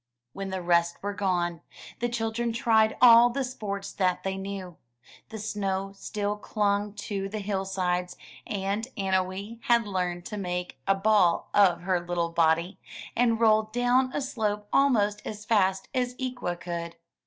When the rest were gone, the children tried all the sports that they knew. The snow still clung to the hillsides; and Annowee had learned to make a ball of her little body, and roll down a slope almost as fast as Ikwa could.